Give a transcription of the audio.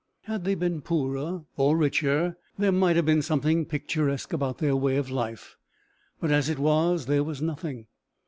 Had they been poorer or richer there might have been something picturesque about their way of life, but, as it was, there was nothing.